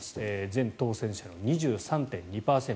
全当選者の２３．２％。